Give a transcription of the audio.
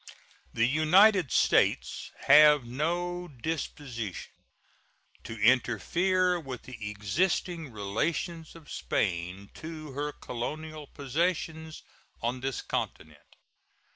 The United States have no disposition to interfere with the existing relations of Spain to her colonial possessions on this continent.